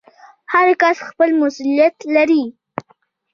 هر کس خپل مسوولیت لري